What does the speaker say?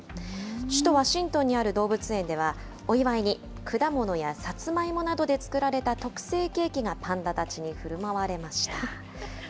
首都ワシントンにある動物園では、お祝いに果物やサツマイモなどで作られた特製ケーキがパンダたちにふるまわれました。